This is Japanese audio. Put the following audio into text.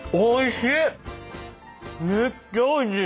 めっちゃおいしい。